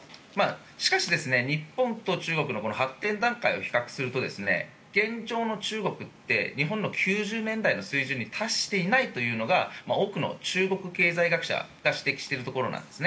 しかし、日本と中国の発展段階を比較すると現状の中国って日本の９０年代の水準に達していないというのが多くの中国経済学者が指摘しているところなんです。